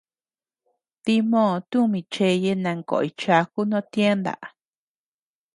Dimoo tumi cheye nankoʼoy chaku no tienda.